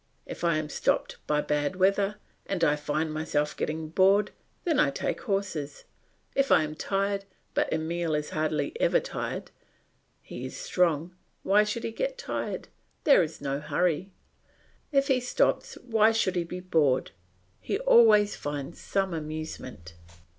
If I am stopped by bad weather and I find myself getting bored, then I take horses. If I am tired but Emile is hardly ever tired; he is strong; why should he get tired? There is no hurry? If he stops, why should he be bored? He always finds some amusement.